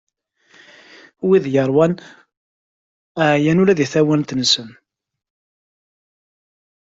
Wid yeṛwan, ɛyan ula deg tawant-nsen.